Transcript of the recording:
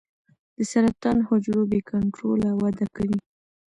د سرطان حجرو بې کنټروله وده کوي.